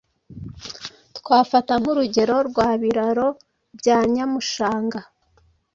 Twafata nkurugero rwa Biraro bya Nyamushanja